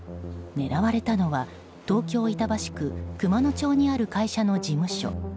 狙われたのは東京・板橋区熊野町にある会社の事務所。